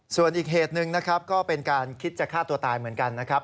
ส่วนอีกเหตุหนึ่งนะครับก็เป็นการคิดจะฆ่าตัวตายเหมือนกันนะครับ